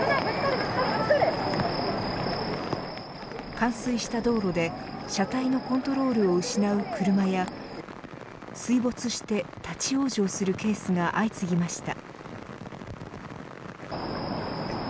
冠水した道路で車体のコントロールを失う車や水没して立ち往生するケースが相次ぎました。